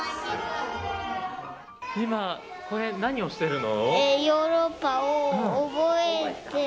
今、これ何をしてるの？